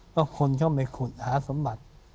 ก็คนเข้าไปขุดหาสมบัติ